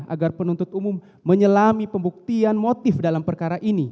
agar penuntut umum menyelami pembuktian motif dalam perkara ini